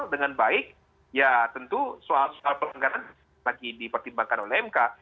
dengan baik ya tentu soal soal pelanggaran lagi dipertimbangkan oleh mk